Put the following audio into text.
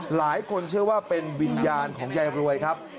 หลายคนเชื่อว่าเป็นวิญญาณของยายรวยครับ